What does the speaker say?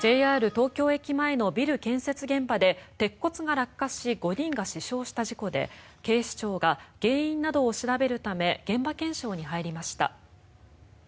東京駅前のビル建設現場で鉄骨が落下し５人が死傷した事故で警視庁が原因などを調べるため現場検証に入りました。